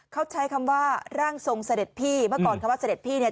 เขาใช้คำว่าร่างทรงเสด็จพี่เมื่อก่อนคำว่าเสด็จพี่เนี่ย